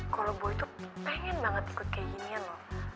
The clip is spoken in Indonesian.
kalo boy tuh pengen banget ikut kayak ginian loh